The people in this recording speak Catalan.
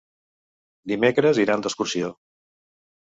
Dimecres iran d'excursió.